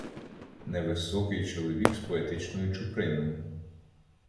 Невисокий чоловік з поетичною чуприною.